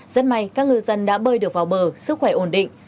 rất may các ngư dân đã bơi được vào bờ sức khỏe ổn định